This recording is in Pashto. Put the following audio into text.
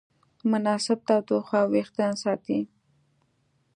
مناسب تودوخه وېښتيان ساتي.